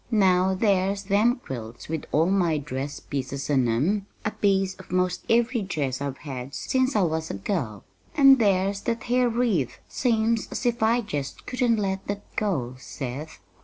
Now there's them quilts with all my dress pieces in 'em a piece of most every dress I've had since I was a girl; an' there's that hair wreath seems as if I jest couldn't let that go, Seth.